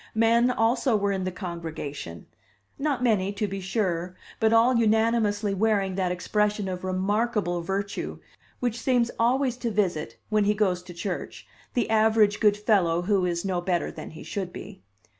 Men, also, were in the congregation not many, to be sure, but all unanimously wearing that expression of remarkable virtue which seems always to visit, when he goes to church, the average good fellow who is no better than he should be.